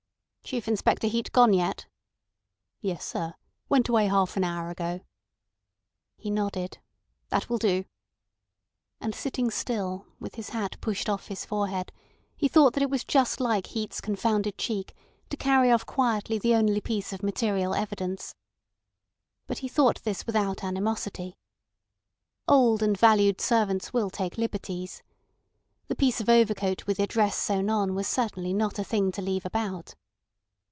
"Chief Inspector Heat gone yet?" "Yes, sir. Went away half an hour ago." He nodded. "That will do." And sitting still, with his hat pushed off his forehead, he thought that it was just like Heat's confounded cheek to carry off quietly the only piece of material evidence. But he thought this without animosity. Old and valued servants will take liberties. The piece of overcoat with the address sewn on was certainly not a thing to leave about.